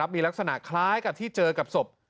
มีลักษณะคล้ายกับที่เจอกับศพ